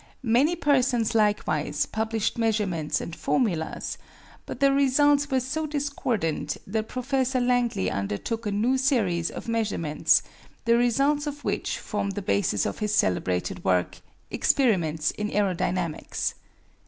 Many persons likewise published measurements and formulas; but the results were so discordant that Professor Langley undertook a new series of measurements, the results of which form the basis of his celebrated work, "Experiments in Aerodynamics."